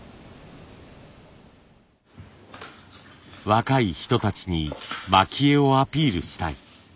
若い人たちに蒔絵をアピールしたい。